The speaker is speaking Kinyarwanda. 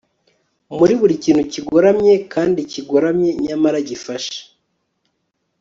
muri buri kintu kigoramye kandi kigoramye nyamara gifashe